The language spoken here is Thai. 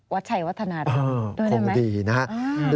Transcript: วัสไทยวัฒนาใช่ไหมอ่อคงดีนะครับเฮ่ย